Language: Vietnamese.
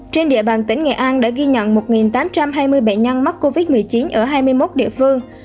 trên địa bàn tỉnh nghệ an đã ghi nhận một tám trăm hai mươi bệnh nhân mắc covid một mươi chín ở hai mươi một địa phương